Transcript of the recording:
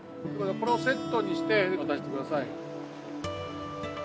このセットにして渡して下さい。